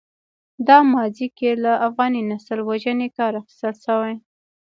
دا ماضي کې له افغاني نسل وژنې کار اخیستل شوی.